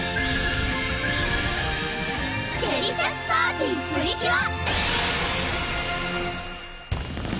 デリシャスパーティプリキュア！